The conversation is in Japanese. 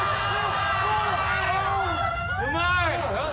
うまい！